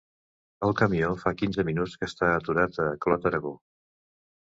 El camió fa quinze minuts que està aturat a Clot-Aragó.